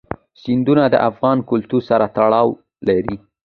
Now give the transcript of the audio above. سیندونه د افغان کلتور سره تړاو لري.